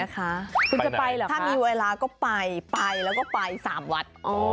คุณจะไปเหรอถ้ามีเวลาก็ไปไปแล้วก็ไป๓วัด